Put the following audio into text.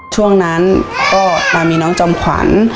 ช่วงนั้นก็มามีน้องจอมขวัญ